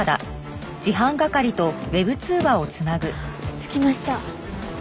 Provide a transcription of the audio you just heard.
着きました。